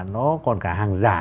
nó còn cả hàng giả